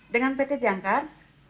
dengan pt jangkar